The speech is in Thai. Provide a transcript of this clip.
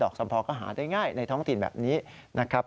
สัมพอก็หาได้ง่ายในท้องถิ่นแบบนี้นะครับ